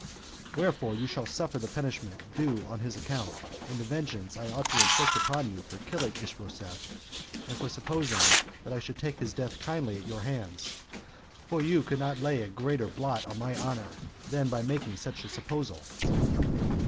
Wherefore you shall suffer the punishment due on his account, and the vengeance I ought to inflict upon you for killing Ishbosheth, and for supposing that I should take his death kindly at your hands; for you could not lay a greater blot on my honor, than by making such a supposal."